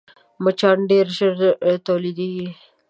مچان ډېر ژر تولیدېږي